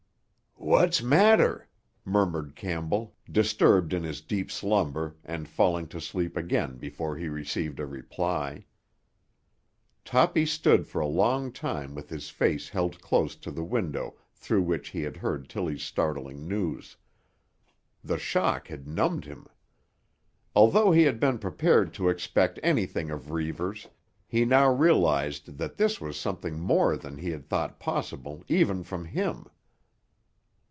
"What's matter?" murmured Campbell, disturbed in his deep slumber, and falling to sleep again before he received a reply. Toppy stood for a long time with his face held close to the window through which he had heard Tilly's startling news. The shock had numbed him. Although he had been prepared to expect anything of Reivers, he now realised that this was something more than he had thought possible even from him.